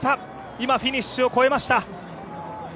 今フィニッシュを越えました。